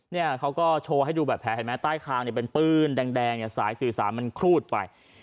เนี่ยเขาก็โชว์ให้ดูแบบแผลเห็นไหมใต้คางเนี่ยเป็นปื้นแดงเนี่ยสายสื่อสารมันครูดไป